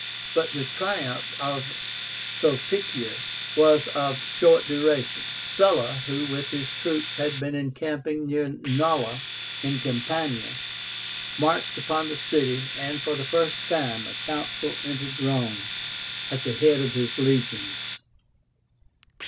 But the triumph of Sulpicius was of short duration. Sulla, who with his troops had been encamping near Nola in Campania, marched upon the city, and for the first time a Consul entered Rome at the head of his legions.